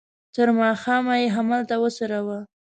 تر ماښامه یې همالته وڅروه.